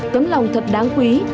tấm lòng thật đáng quý